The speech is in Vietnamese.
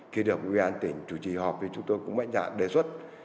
khi được ubnd tỉnh chủ trì họp chúng tôi cũng mạnh dạng đề xuất